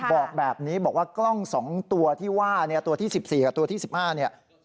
บอกแบบนี้บอกว่ากล้อง๒ตัวที่ว่าเนี่ยตัวที่๑๔กับตัวที่๑๕เนี่ย